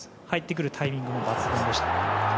入ってくるタイミングも抜群でした。